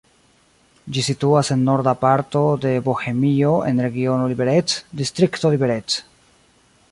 Ĝi situas en norda parto de Bohemio, en regiono Liberec, distrikto Liberec.